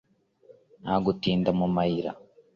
nta gutinda mu mayira,